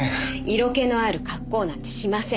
色気のある格好なんてしません。